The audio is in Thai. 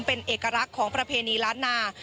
เป็นเอกลักษณ์ของประเพณีล้านนา